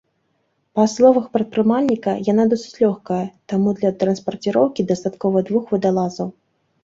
Па словах прадпрымальніка, яна досыць лёгкая, таму для транспарціроўкі дастаткова двух вадалазаў.